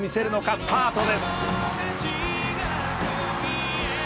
「スタートです」